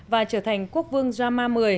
và trở thành quốc vương jama x